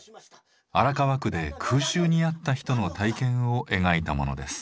荒川区で空襲に遭った人の体験を描いたものです。